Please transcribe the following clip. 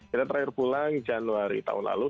kita terakhir pulang januari tahun lalu